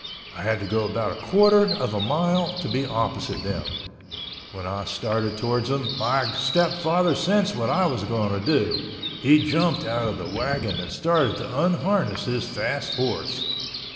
I had to go about a quarter of a mile to be opposite them. When I started towards them, my stepfather sensed what I was going to do. He jumped out of the wagon and started to unharness his fast horse.